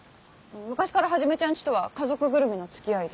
昔からはじめちゃん家とは家族ぐるみの付き合いで。